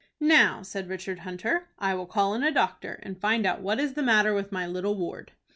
"Now," said Richard Hunter, "I will call in a doctor, and find out what is the matter with my little ward."